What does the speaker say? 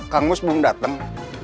kang mus belum dateng